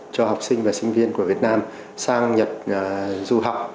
cho học sinh và sinh viên của việt nam sang nhật du học